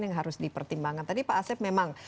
yang harus dipertimbangkan tadi pak asep memang